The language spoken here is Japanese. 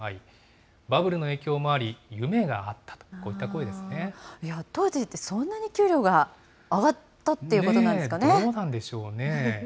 バブルの影響もあり、夢があった当時って、そんなに給料が上どうなんでしょうね。